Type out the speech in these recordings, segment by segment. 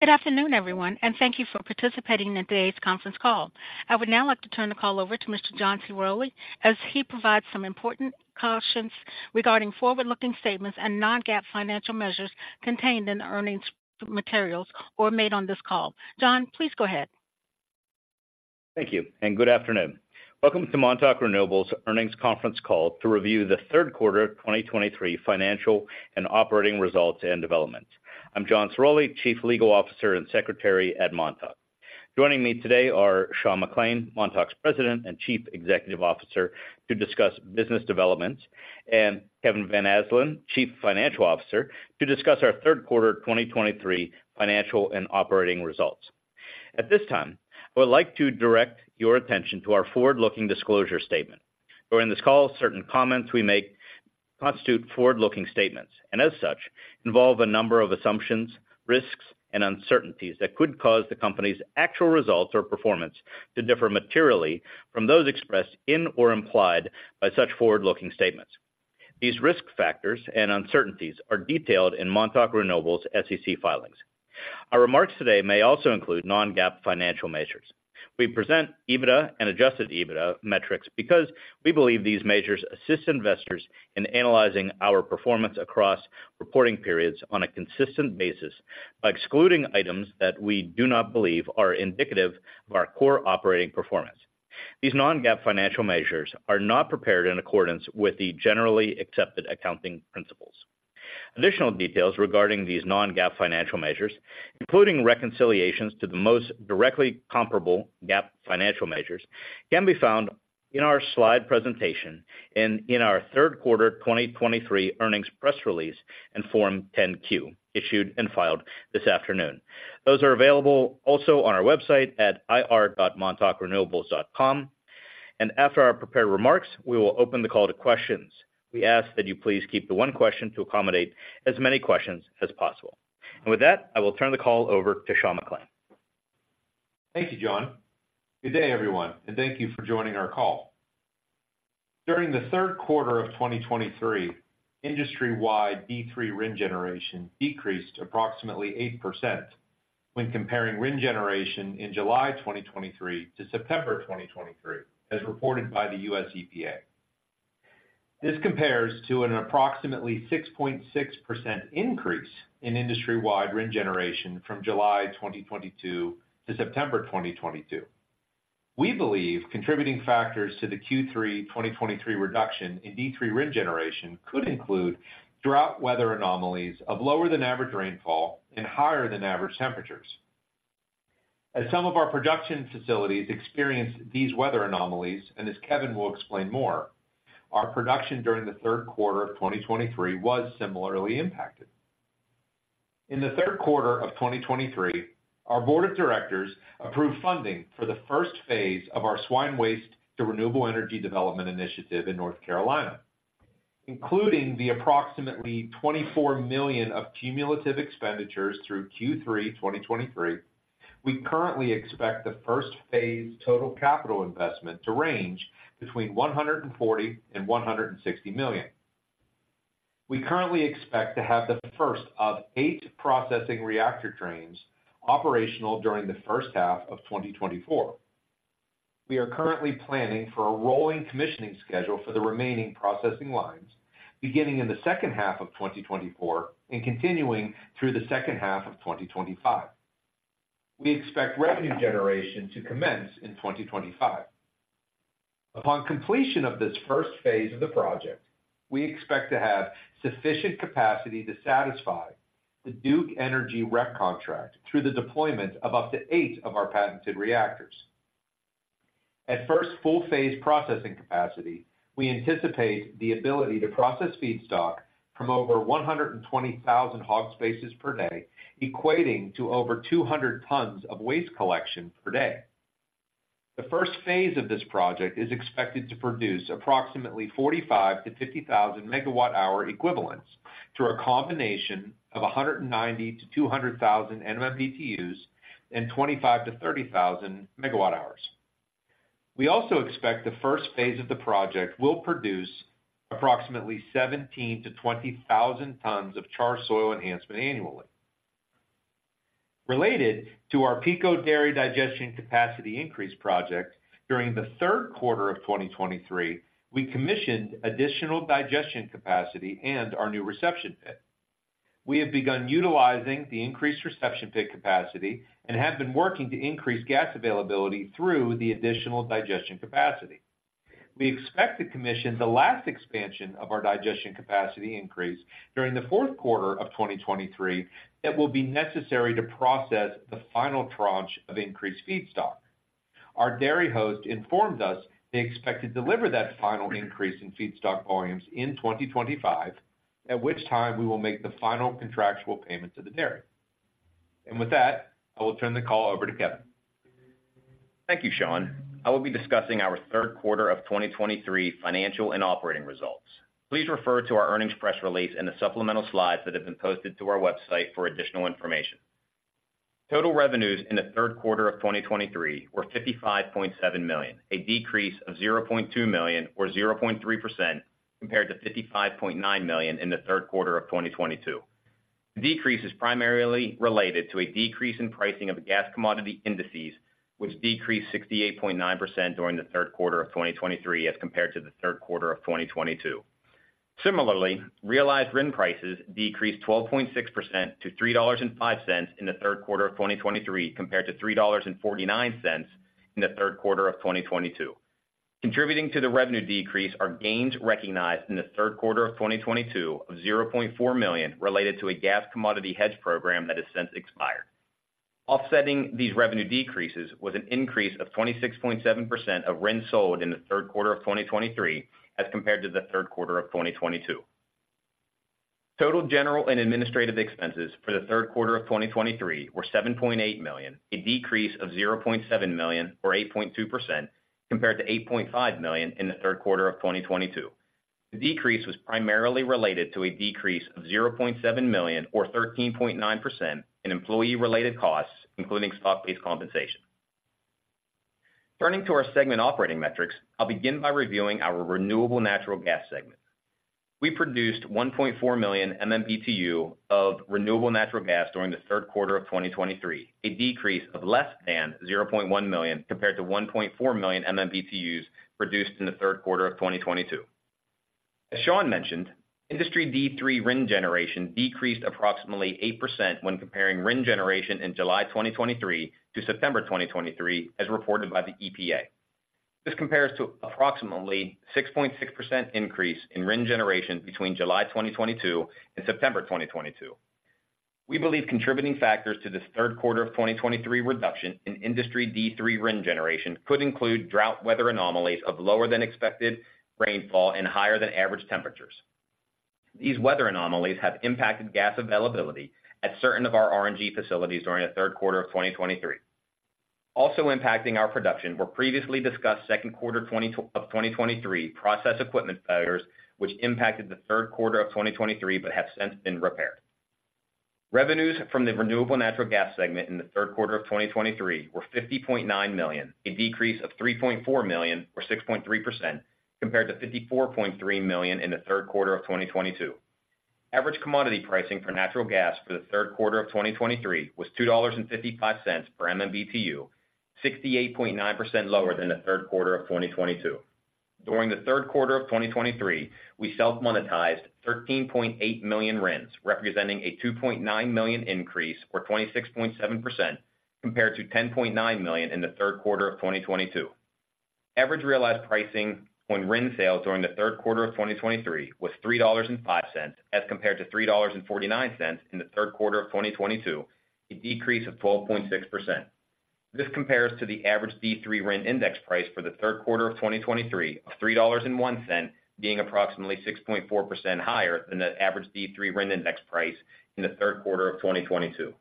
Good afternoon, everyone, and thank you for participating in today's conference call. I would now like to turn the call over to Mr. John Ciroli, as he provides some important cautions regarding forward-looking statements and non-GAAP financial measures contained in the earnings materials or made on this call. John, please go ahead. Thank you, and good afternoon. Welcome to Montauk Renewables Earnings Conference Call to review the third quarter 2023 financial and operating results and development. I'm John Ciroli, Chief Legal Officer and Secretary at Montauk. Joining me today are Sean McClain, Montauk's President and Chief Executive Officer, to discuss business development, and Kevin Van Asdalan, Chief Financial Officer, to discuss our third quarter 2023 financial and operating results. At this time, I would like to direct your attention to our forward-looking disclosure statement. During this call, certain comments we make constitute forward-looking statements, and as such, involve a number of assumptions, risks, and uncertainties that could cause the Company's actual results or performance to differ materially from those expressed in or implied by such forward-looking statements. These risk factors and uncertainties are detailed in Montauk Renewables' SEC filings. Our remarks today may also include non-GAAP financial measures. We present EBITDA and Adjusted EBITDA metrics because we believe these measures assist investors in analyzing our performance across reporting periods on a consistent basis by excluding items that we do not believe are indicative of our core operating performance. These non-GAAP financial measures are not prepared in accordance with the generally accepted accounting principles. Additional details regarding these non-GAAP financial measures, including reconciliations to the most directly comparable GAAP financial measures, can be found in our slide presentation and in our third quarter 2023 earnings press release and Form 10-Q, issued and filed this afternoon. Those are available also on our website at ir.montaukrenewables.com. After our prepared remarks, we will open the call to questions. We ask that you please keep to one question to accommodate as many questions as possible. With that, I will turn the call over to Sean McClain. Thank you, John. Good day, everyone, and thank you for joining our call. During the third quarter of 2023, industry-wide D3 RIN generation decreased approximately 8% when comparing RIN generation in July 2023 to September 2023, as reported by the US EPA. This compares to an approximately 6.6% increase in industry-wide RIN generation from July 2022-September 2022. We believe contributing factors to the Q3 2023 reduction in D3 RIN generation could include drought, weather anomalies of lower than average rainfall and higher than average temperatures. As some of our production facilities experienced these weather anomalies, and as Kevin will explain more, our production during the third quarter of 2023 was similarly impacted. In the third quarter of 2023, our board of directors approved funding for the first phase of our swine waste to renewable energy development initiative in North Carolina, including the approximately $24 million of cumulative expenditures through Q3 2023. We currently expect the first phase total capital investment to range between $140 million-$160 million. We currently expect to have the first of eight processing reactor trains operational during the first half of 2024. We are currently planning for a rolling commissioning schedule for the remaining processing lines, beginning in the second half of 2024 and continuing through the second half of 2025. We expect revenue generation to commence in 2025. Upon completion of this first phase of the project, we expect to have sufficient capacity to satisfy the Duke Energy REPS contract through the deployment of up to eight of our patented reactors. At first full phase processing capacity, we anticipate the ability to process feedstock from over 120,000 hog spaces per day, equating to over 200 tons of waste collection per day. The first phase of this project is expected to produce approximately 45,000-50,000 MWh equivalents through a combination of 190,000-200,000 MMBtu and 25,000-30,000 MWh. We also expect the first phase of the project will produce approximately 17,000-20,000 tons of char soil enhancement annually. Related to our Pico Dairy Digestion Capacity Increase project, during the third quarter of 2023, we commissioned additional digestion capacity and our new reception pit. We have begun utilizing the increased reception pit capacity and have been working to increase gas availability through the additional digestion capacity. We expect to commission the last expansion of our digestion capacity increase during the fourth quarter of 2023 that will be necessary to process the final tranche of increased feedstock. Our dairy host informed us they expect to deliver that final increase in feedstock volumes in 2025, at which time we will make the final contractual payment to the dairy. With that, I will turn the call over to Kevin. Thank you, Sean. I will be discussing our third quarter of 2023 financial and operating results. Please refer to our earnings press release and the supplemental slides that have been posted to our website for additional information. Total revenues in the third quarter of 2023 were $55.7 million, a decrease of $0.2 million, or 0.3% compared to $55.9 million in the third quarter of 2022. The decrease is primarily related to a decrease in pricing of the gas commodity indices, which decreased 68.9% during the third quarter of 2023 as compared to the third quarter of 2022. Similarly, realized RIN prices decreased 12.6% to $3.05 in the third quarter of 2023, compared to $3.49 in the third quarter of 2022. Contributing to the revenue decrease are gains recognized in the third quarter of 2022 of $0.4 million, related to a gas commodity hedge program that has since expired. Offsetting these revenue decreases was an increase of 26.7% of RINs sold in the third quarter of 2023, as compared to the third quarter of 2022. Total general and administrative expenses for the third quarter of 2023 were $7.8 million, a decrease of $0.7 million, or 8.2%, compared to $8.5 million in the third quarter of 2022. The decrease was primarily related to a decrease of $0.7 million or 13.9% in employee-related costs, including stock-based compensation. Turning to our segment operating metrics, I'll begin by reviewing our renewable natural gas segment. We produced 1.4 million MMBtu of renewable natural gas during the third quarter of 2023, a decrease of less than 0.1 million, compared to 1.4 million MMBtu produced in the third quarter of 2022. As Sean mentioned, industry D3 RIN generation decreased approximately 8% when comparing RIN generation in July 2023 to September 2023, as reported by the EPA. This compares to approximately 6.6% increase in RIN generation between July 2022 and September 2022. We believe contributing factors to this third quarter of 2023 reduction in industry D3 RIN generation could include drought weather anomalies of lower than expected rainfall and higher than average temperatures. These weather anomalies have impacted gas availability at certain of our RNG facilities during the third quarter of 2023. Also impacting our production were previously discussed second quarter of 2023 process equipment failures, which impacted the third quarter of 2023, but have since been repaired. Revenues from the renewable natural gas segment in the third quarter of 2023 were $50.9 million, a decrease of $3.4 million, or 6.3%, compared to $54.3 million in the third quarter of 2022. Average commodity pricing for natural gas for the third quarter of 2023 was $2.55 per MMBtu, 68.9% lower than the third quarter of 2022. During the third quarter of 2023, we self-monetized 13.8 million RINs, representing a $2.9 million increase or 26.7%, compared to 10.9 million in the third quarter of 2022. Average realized pricing on RIN sales during the third quarter of 2023 was $3.05, as compared to $3.49 in the third quarter of 2022, a decrease of 12.6%. This compares to the average D3 RIN index price for the third quarter of 2023 of $3.01, being approximately 6.4% higher than the average D3 RIN index price in the third quarter of 2022.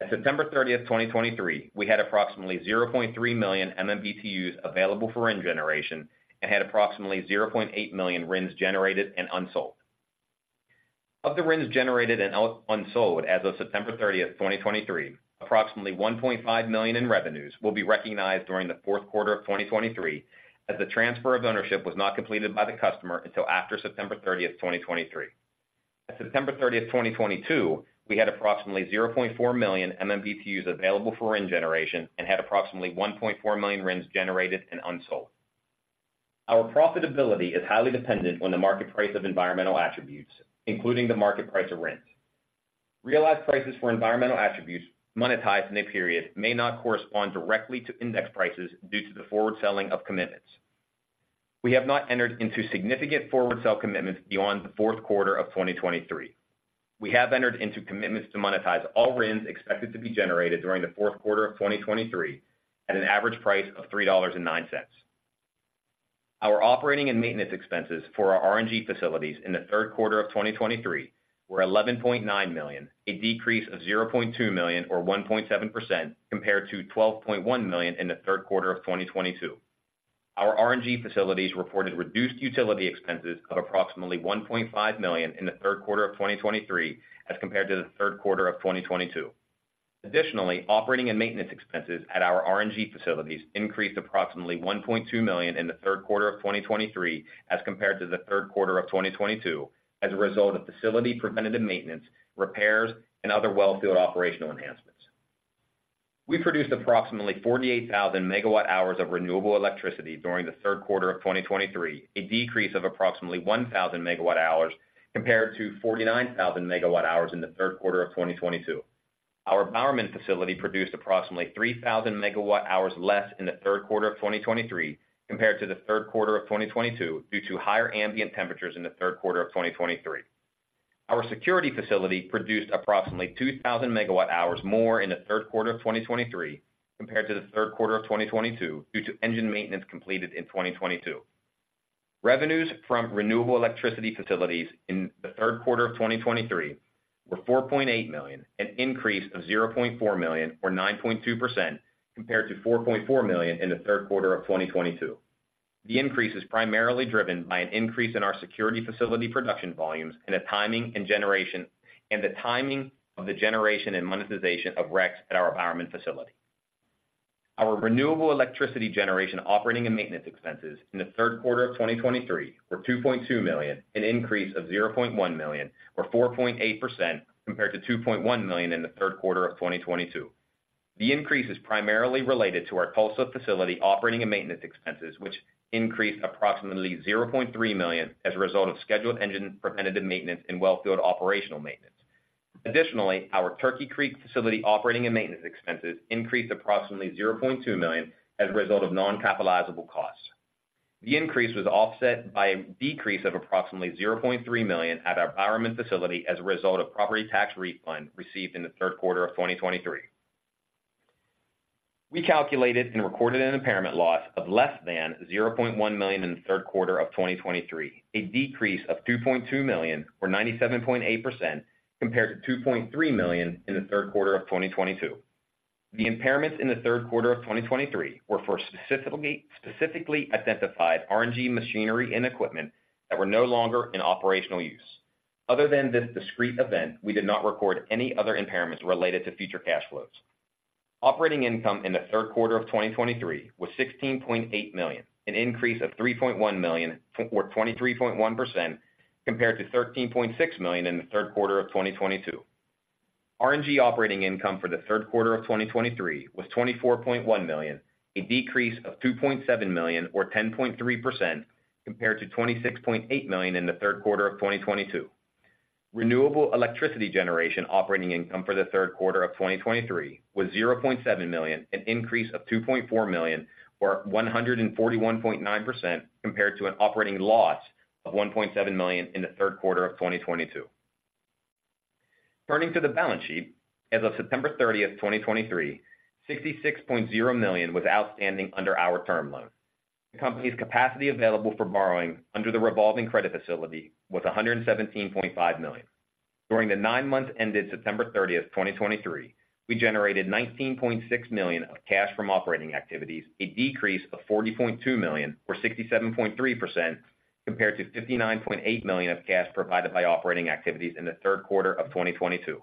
At September 30, 2023, we had approximately 0.3 million MMBtu available for RIN generation and had approximately 0.8 million RINs generated and unsold. Of the RINs generated and unsold as of September 30, 2023, approximately $1.5 million in revenues will be recognized during the fourth quarter of 2023, as the transfer of ownership was not completed by the customer until after September 30, 2023. At September 30, 2022, we had approximately 0.4 million MMBtus available for RIN generation and had approximately 1.4 million RINs generated and unsold. Our profitability is highly dependent on the market price of environmental attributes, including the market price of RINs. Realized prices for environmental attributes monetized in a period may not correspond directly to index prices due to the forward selling of commitments. We have not entered into significant forward sale commitments beyond the fourth quarter of 2023. We have entered into commitments to monetize all RINs expected to be generated during the fourth quarter of 2023 at an average price of $3.09. Our operating and maintenance expenses for our RNG facilities in the third quarter of 2023 were $11.9 million, a decrease of $0.2 million, or 1.7%, compared to $12.1 million in the third quarter of 2022. Our RNG facilities reported reduced utility expenses of approximately $1.5 million in the third quarter of 2023 as compared to the third quarter of 2022. Additionally, operating and maintenance expenses at our RNG facilities increased approximately $1.2 million in the third quarter of 2023 as compared to the third quarter of 2022, as a result of facility preventative maintenance, repairs, and other well field operational enhancements. We produced approximately 48,000 MWh of renewable electricity during the third quarter of 2023, a decrease of approximately 1,000 MWh compared to 49,000 MWh in the third quarter of 2022. Our Bowerman facility produced approximately 3,000 MWh less in the third quarter of 2023 compared to the third quarter of 2022, due to higher ambient temperatures in the third quarter of 2023. Our Security facility produced approximately 2,000 MWh more in the third quarter of 2023 compared to the third quarter of 2022, due to engine maintenance completed in 2022. Revenues from renewable electricity facilities in the third quarter of 2023 were $4.8 million, an increase of $0.4 million, or 9.2%, compared to $4.4 million in the third quarter of 2022. The increase is primarily driven by an increase in our RNG facility production volumes and the timing of the generation and monetization of RECs at our Bowerman facility. Our renewable electricity generation operating and maintenance expenses in the third quarter of 2023 were $2.2 million, an increase of $0.1 million, or 4.8% compared to $2.1 million in the third quarter of 2022. The increase is primarily related to our Tulsa facility operating and maintenance expenses, which increased approximately $0.3 million as a result of scheduled engine preventative maintenance and wellfield operational maintenance. Additionally, our Turkey Creek facility operating and maintenance expenses increased approximately $0.2 million as a result of non-capitalizable costs. The increase was offset by a decrease of approximately $0.3 million at our Bowerman facility as a result of property tax refund received in the third quarter of 2023. We calculated and recorded an impairment loss of less than $0.1 million in the third quarter of 2023, a decrease of $2.2 million, or 97.8%, compared to $2.3 million in the third quarter of 2022. The impairments in the third quarter of 2023 were for specifically identified RNG machinery and equipment that were no longer in operational use. Other than this discrete event, we did not record any other impairments related to future cash flows. Operating income in the third quarter of 2023 was $16.8 million, an increase of $3.1 million, or 23.1%, compared to $13.6 million in the third quarter of 2022. RNG operating income for the third quarter of 2023 was $24.1 million, a decrease of $2.7 million or 10.3%, compared to $26.8 million in the third quarter of 2022. Renewable electricity generation operating income for the third quarter of 2023 was $0.7 million, an increase of $2.4 million, or 141.9%, compared to an operating loss of $1.7 million in the third quarter of 2022. Turning to the balance sheet. As of September 30, 2023, $66.0 million was outstanding under our term loan. The company's capacity available for borrowing under the revolving credit facility was $117.5 million. During the nine months ended September 30, 2023, we generated $19.6 million of cash from operating activities, a decrease of $40.2 million, or 67.3%, compared to $59.8 million of cash provided by operating activities in the third quarter of 2022.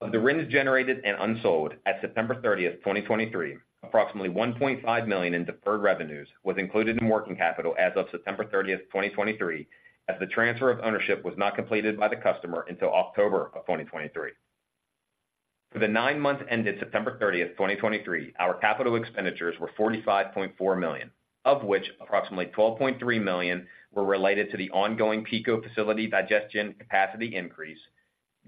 Of the RINs generated and unsold at September 30, 2023, approximately $1.5 million in deferred revenues was included in working capital as of September 30, 2023, as the transfer of ownership was not completed by the customer until October of 2023. For the nine months ended September 30, 2023, our capital expenditures were $45.4 million, of which approximately $12.3 million were related to the ongoing Pico facility digestion capacity increase.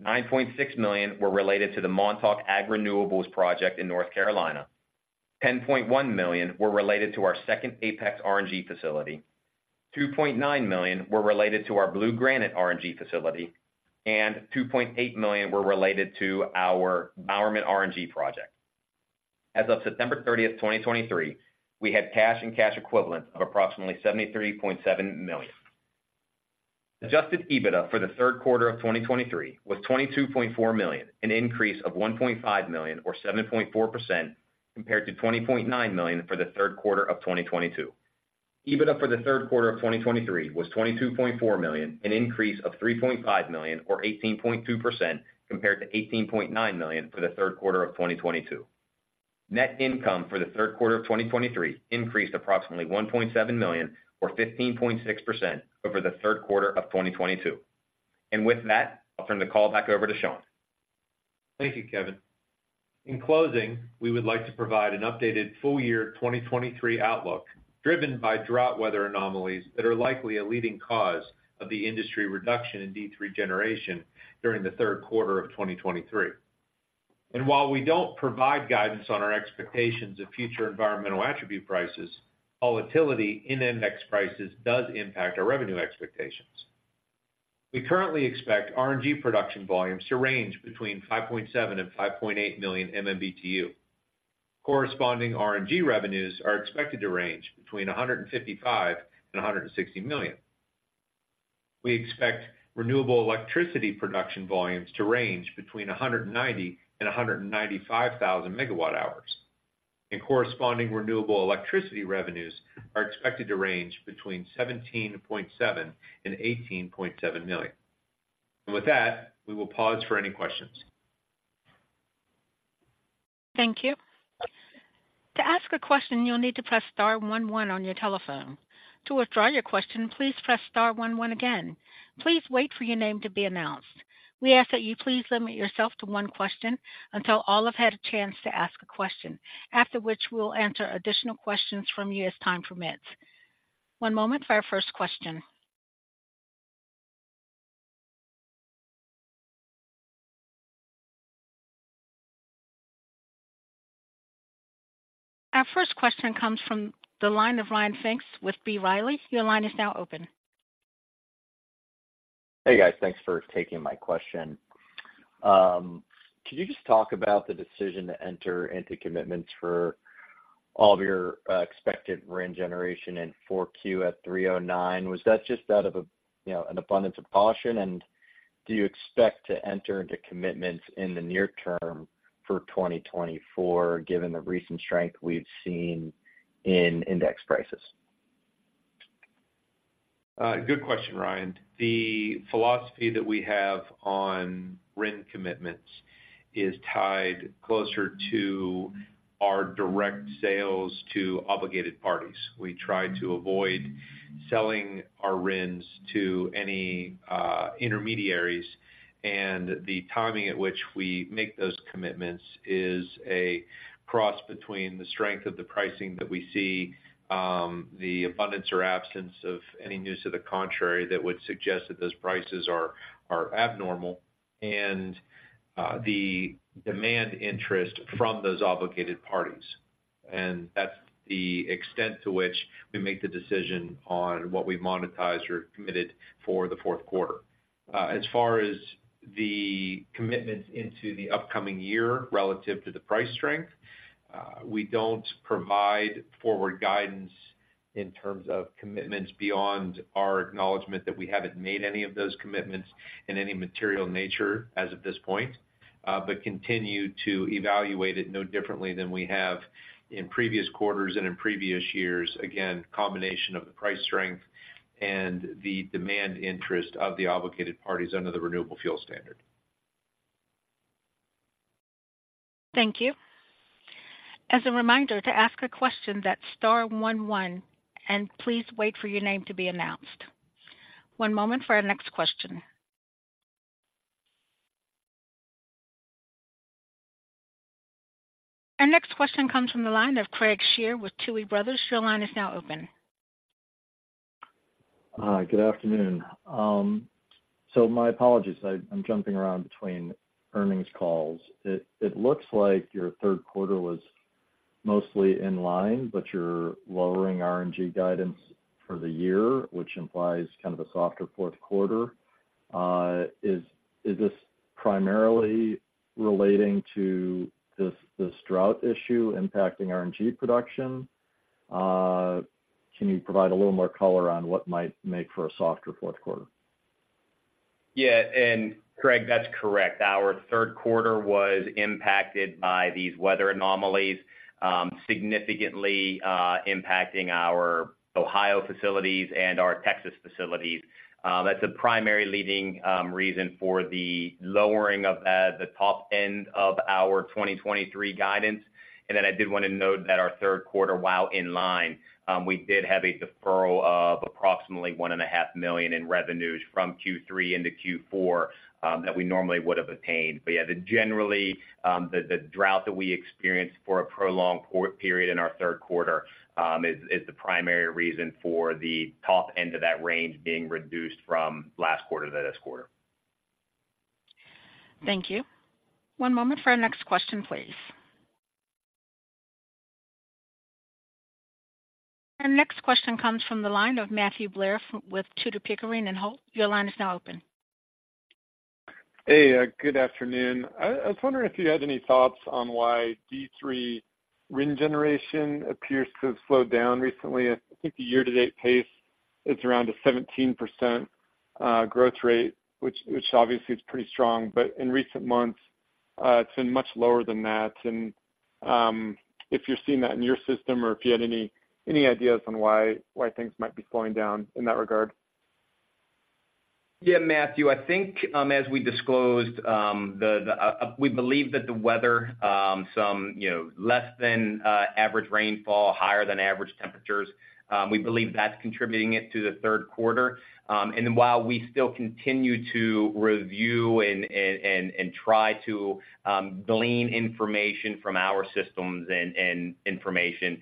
$9.6 million were related to the Montauk Ag Renewables project in North Carolina. $10.1 million were related to our second Apex RNG facility. $2.9 million were related to our Blue Granite RNG facility, and $2.8 million were related to our Bowerman RNG project. As of September thirtieth, 2023, we had cash and cash equivalents of approximately $73.7 million. Adjusted EBITDA for the third quarter of 2023 was $22.4 million, an increase of $1.5 million or 7.4%, compared to $20.9 million for the third quarter of 2022. EBITDA for the third quarter of 2023 was $22.4 million, an increase of $3.5 million or 18.2%, compared to $18.9 million for the third quarter of 2022. Net income for the third quarter of 2023 increased approximately $1.7 million or 15.6% over the third quarter of 2022. With that, I'll turn the call back over to Sean. Thank you, Kevin. In closing, we would like to provide an updated full year 2023 outlook, driven by drought weather anomalies that are likely a leading cause of the industry reduction in D3 generation during the third quarter of 2023. And while we don't provide guidance on our expectations of future environmental attribute prices, volatility in index prices does impact our revenue expectations. We currently expect RNG production volumes to range between 5.7 and 5.8 million MMBtu. Corresponding RNG revenues are expected to range between $155 million and $160 million. We expect renewable electricity production volumes to range between 190 and 195 thousand MWh, and corresponding renewable electricity revenues are expected to range between $17.7 million and $18.7 million. And with that, we will pause for any questions. Thank you. To ask a question, you'll need to press star one one on your telephone. To withdraw your question, please press star one one again. Please wait for your name to be announced. We ask that you please limit yourself to one question until all have had a chance to ask a question, after which we'll answer additional questions from you as time permits. One moment for our first question. Our first question comes from the line of Ryan Pfingst with B. Riley. Your line is now open. Hey, guys. Thanks for taking my question. Could you just talk about the decision to enter into commitments for all of your, expected RIN generation in 4Q at 309? Was that just out of a, you know, an abundance of caution, and do you expect to enter into commitments in the near term for 2024, given the recent strength we've seen in index prices? Good question, Ryan. The philosophy that we have on RIN commitments is tied closer to our direct sales to obligated parties. We try to avoid selling our RINs to any intermediaries, and the timing at which we make those commitments is a cross between the strength of the pricing that we see, the abundance or absence of any news to the contrary that would suggest that those prices are abnormal, and the demand interest from those obligated parties. And that's the extent to which we make the decision on what we monetize or committed for the fourth quarter. As far as the commitments into the upcoming year relative to the price strength, we don't provide forward guidance in terms of commitments beyond our acknowledgment that we haven't made any of those commitments in any material nature as of this point. But continue to evaluate it no differently than we have in previous quarters and in previous years. Again, combination of the price strength and the demand interest of the obligated parties under the Renewable Fuel Standard. Thank you. As a reminder, to ask a question, that's star one, one, and please wait for your name to be announced. One moment for our next question. Our next question comes from the line of Craig Shere with Tuohy Brothers. Your line is now open. Good afternoon. So my apologies, I'm jumping around between earnings calls. It looks like your third quarter was mostly in line, but you're lowering RNG guidance for the year, which implies kind of a softer fourth quarter. Is this primarily relating to this drought issue impacting RNG production? Can you provide a little more color on what might make for a softer fourth quarter? Yeah, and Craig, that's correct. Our third quarter was impacted by these weather anomalies, significantly, impacting our Ohio facilities and our Texas facilities. That's a primary leading reason for the lowering of the top end of our 2023 guidance. And then I did want to note that our third quarter, while in line, we did have a deferral of approximately $1.5 million in revenues from Q3 into Q4, that we normally would have obtained. But yeah, the generally, the drought that we experienced for a prolonged period in our third quarter, is the primary reason for the top end of that range being reduced from last quarter to this quarter. Thank you. One moment for our next question, please. Our next question comes from the line of Matthew Blair with Tudor, Pickering, and Holt. Your line is now open. Hey, good afternoon. I was wondering if you had any thoughts on why D3 RIN generation appears to have slowed down recently. I think the year-to-date pace is around a 17% growth rate, which obviously is pretty strong. But in recent months, it's been much lower than that. If you're seeing that in your system or if you had any ideas on why things might be slowing down in that regard? Yeah, Matthew, I think, as we disclosed, we believe that the weather, some, you know, less than average rainfall, higher than average temperatures, we believe that's contributing it to the third quarter. And then while we still continue to review and try to glean information from our systems and information,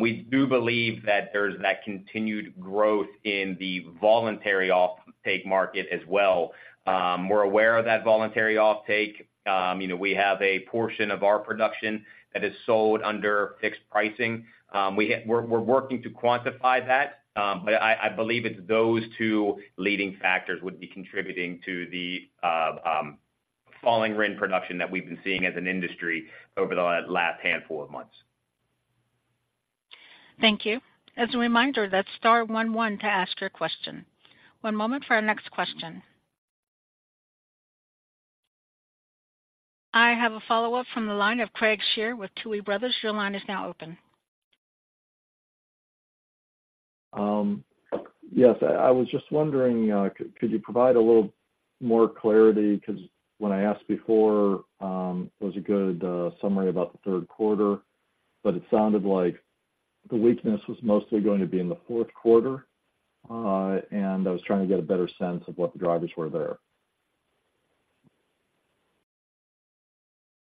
we do believe that there's that continued growth in the voluntary offtake market as well. We're aware of that voluntary offtake. You know, we have a portion of our production that is sold under fixed pricing. We have we're working to quantify that, but I believe it's those two leading factors would be contributing to the falling RIN production that we've been seeing as an industry over the last handful of months. Thank you. As a reminder, that's star one one to ask your question. One moment for our next question. I have a follow-up from the line of Craig Shere with Tuohy Brothers. Your line is now open. Yes, I was just wondering, could you provide a little more clarity? Because when I asked before, it was a good summary about the third quarter, but it sounded like the weakness was mostly going to be in the fourth quarter. And I was trying to get a better sense of what the drivers were there.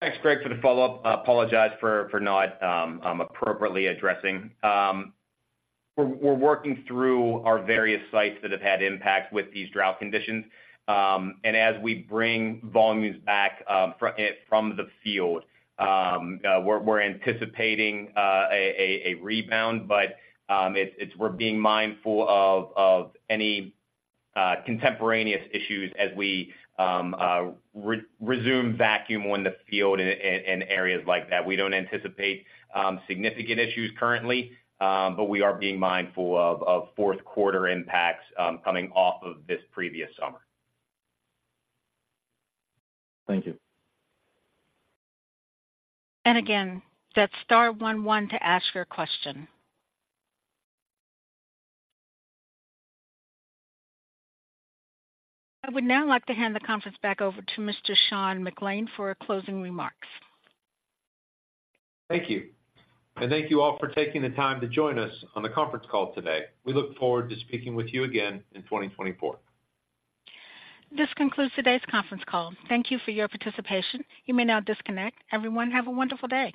Thanks, Craig, for the follow-up. I apologize for not appropriately addressing. We're working through our various sites that have had impact with these drought conditions. As we bring volumes back from the field, we're anticipating a rebound, but it's, we're being mindful of any contemporaneous issues as we resume vacuum on the field and areas like that. We don't anticipate significant issues currently, but we are being mindful of fourth quarter impacts coming off of this previous summer. Thank you. And again, that's star one one to ask your question. I would now like to hand the conference back over to Mr. Sean McClain for closing remarks. Thank you. Thank you all for taking the time to join us on the conference call today. We look forward to speaking with you again in 2024. This concludes today's conference call. Thank you for your participation. You may now disconnect. Everyone, have a wonderful day.